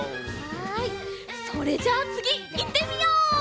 はいそれじゃあつぎいってみよう！